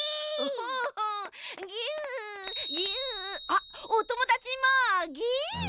あっおともだちもぎゅっ！